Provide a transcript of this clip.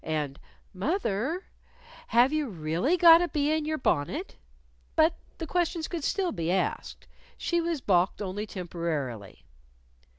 and, "Moth er, have you really got a bee in your bonnet?" But the questions could still be asked. She was balked only temporarily.